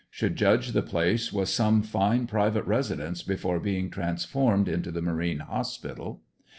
Should judge the place was some fine private residence before being transformed into the Marine Hospital.